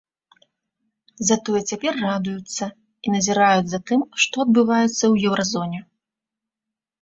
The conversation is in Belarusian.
Затое цяпер радуюцца, і назіраюць за тым, што адбываецца ў еўразоне.